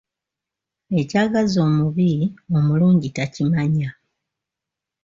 Ekyagaza omubi, omulungi takimanya.